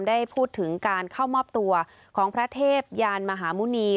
ได้พูดถึงการเข้ามอบตัวของพระเทพยานมหาหมุณี